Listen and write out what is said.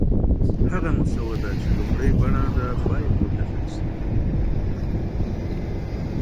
هغه مسوده چي لومړۍ بڼه ده باید وکتل سي.